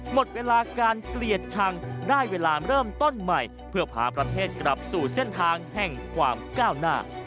หมดเวลาการเกลียดชังได้เวลาเริ่มต้นใหม่เพื่อพาประเทศกลับสู่เส้นทางแห่งความก้าวหน้า